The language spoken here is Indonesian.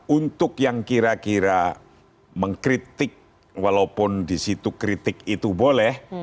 untuk yang kira kira mengkritik walaupun disitu kritik itu boleh